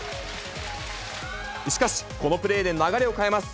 しかし、このプレーで流れを変えます。